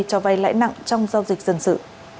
cho vay lãi nặng trong giao dịch dân sự